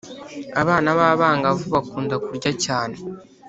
abana b’abangavu bakunda kurya cyane.